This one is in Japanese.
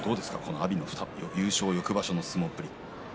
阿炎の優勝翌場所の相撲っぷりは。